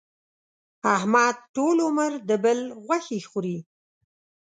احمد ټول عمر د بل غوښې خوري.